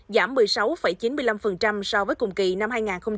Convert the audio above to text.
giảm một mươi sáu chín mươi năm so với cùng kỳ năm hai nghìn hai mươi hai